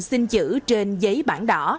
xin chữ trên giấy bảng đỏ